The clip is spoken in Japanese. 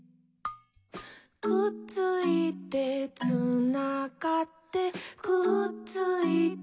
「くっついて」「つながって」「くっついて」